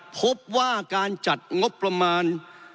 พบว่าการจัดงบประมาณ